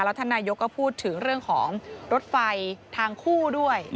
ท่านนายกก็พูดถึงเรื่องของรถไฟทางคู่ด้วย